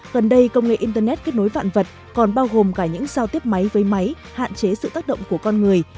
gần đây công nghệ internet kết nối vạn vật còn bao gồm cả những giao tiếp máy với máy hạn chế sự tác động của con người